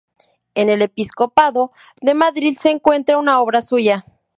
En el Episcopado de Madrid, se encuentra una obra suya.